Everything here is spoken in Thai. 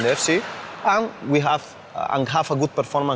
แล้วเราจะให้ทุกท่านที่เป็น๑๙คน